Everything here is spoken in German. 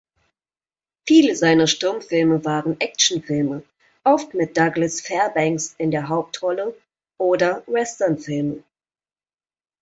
Viele seiner Stummfilme waren Actionfilme, oft mit Douglas Fairbanks in der Hauptrolle, oder Westernfilme.